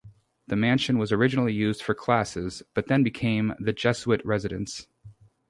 The mansion was originally used for classes, but then became the Jesuit residence.